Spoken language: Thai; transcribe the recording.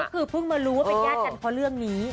ก็คือเพิ่งมารู้ว่าเป็นญาติกันเพราะเรื่องนี้